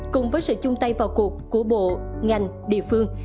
cùng với sự chung tay vào cuộc của bộ ngành địa phương